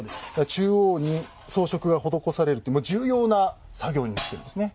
中央に装飾が施されるって重要な作業になってるんですね。